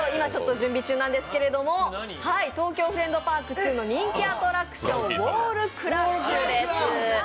準備中ですけれども、「東京フレンドパークⅡ」の人気アトラクションウォールクラッシュです。